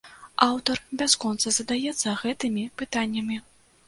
Аўтар бясконца задаецца гэтымі пытаннямі.